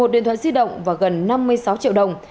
một mươi một điện thoại di động và gần năm mươi sáu triệu đồng